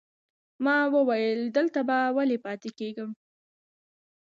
ما ویل نه، دلته به ولې پاتې کېږم.